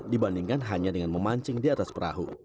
dibandingkan hanya dengan memancing di atas perahu